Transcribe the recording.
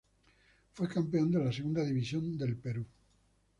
Fue campeón de la Segunda División del Perú.